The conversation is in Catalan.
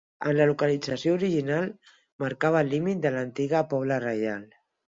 En la localització original marcava el límit de l'antiga pobla reial.